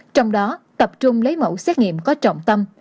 trong đó tập trung lấy mẫu xét nghiệm có trọng tâm